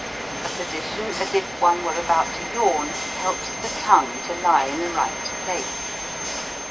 A position as if one were about to yawn helps the tongue to lie in ,the right place.